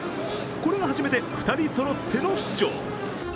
これが初めて２人そろっての出場。